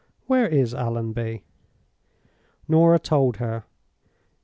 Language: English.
Where is Allonby?' "Norah told her.